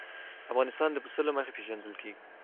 افغانستان د پسه له مخې پېژندل کېږي.